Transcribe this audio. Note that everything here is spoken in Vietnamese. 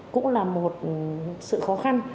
cũng là một sự khó khăn